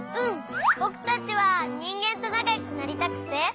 ぼくたちはにんげんとなかよくなりたくて。